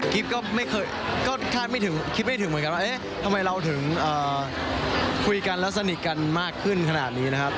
ก็คาดไม่ถึงคิดไม่ถึงเหมือนกันว่าเอ๊ะทำไมเราถึงคุยกันแล้วสนิทกันมากขึ้นขนาดนี้นะครับ